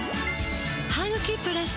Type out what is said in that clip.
「ハグキプラス」